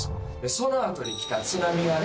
そのあとにきた津波がね